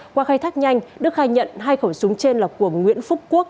qua khai thác nhanh đức khai nhận hai khẩu súng trên là của nguyễn phúc quốc